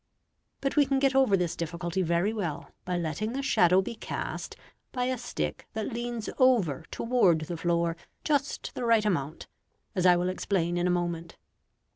But we can get over this difficulty very well by letting the shadow be cast by a stick that leans over toward the floor just the right amount, as I will explain in a moment.